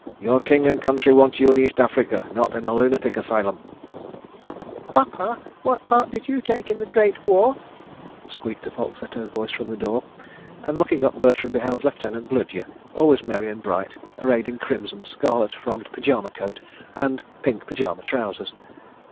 Your King and Country want you in East Africa, not in a lunatic asylum—" "Pappa! What part did you take in the Great War?" squeaked a falsetto voice from the door, and looking up, Bertram beheld Lieutenant Bludyer, always merry and bright, arrayed in crimson, scarlet frogged pyjama coat, and pink pyjama trousers.